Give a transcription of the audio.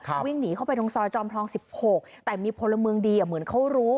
เขาวิ่งหนีเข้าไปตรงซอยจอมทอง๑๖แต่มีพลเมืองดีเหมือนเขารู้